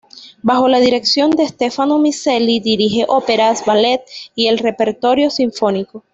Bajo la dirección de Stefano Miceli dirige óperas, ballets y el repertorio sinfónico.